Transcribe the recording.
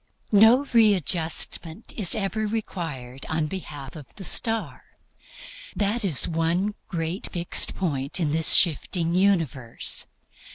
No readjustment is ever required on behalf of the Star. That is one great fixed point in this shifting universe.